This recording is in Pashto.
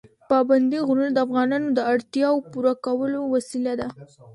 پابندي غرونه د افغانانو د اړتیاوو پوره کولو وسیله ده.